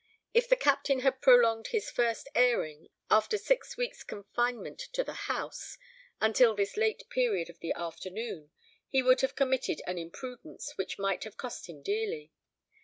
If the Captain had prolonged his first airing, after six weeks' confinement to the house, until this late period of the afternoon, he would have committed an imprudence which might have cost him dearly.